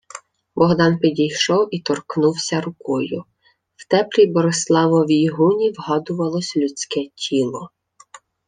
Богдан підійшов і торкнувся рукою. В теплій Бориславовій гуні вгадувалось людське тіло.